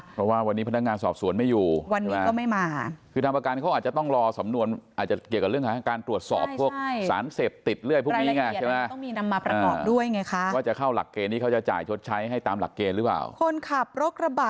เพราะว่าวันนี้พนักงานสอบสวนไม่อยู่วันนี้ก็ไม่มา